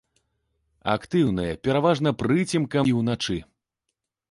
Актыўныя пераважна прыцемкам і ўначы.